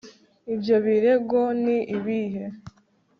Ibyo birego ni ibihe